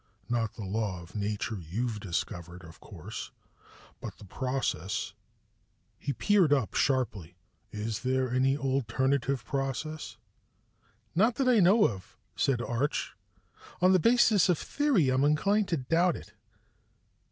Not the law of nature you've discovered, of course, but the process " He peered up, sharply. "Is there any alternative process?" "Not that I know of," said Arch. "On the basis of theory, I'm inclined to doubt it."